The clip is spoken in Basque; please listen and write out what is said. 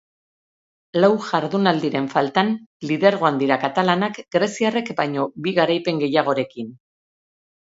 Lau jardunaldiren faltan, lidergoan dira katalanak greziarrek baino bi garaipen gehiagorekin.